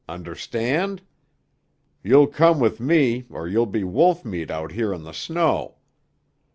Understand? You'll come with me or you'll be wolf meat out here on the snow.